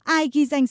ai ghi danh sớm